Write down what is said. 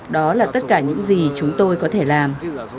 đó là tất cả những gì chúng tôi có thể làm